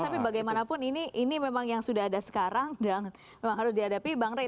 tapi bagaimanapun ini memang yang sudah ada sekarang dan memang harus dihadapi bang rey